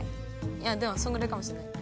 いやでもそんぐらいかもしれない。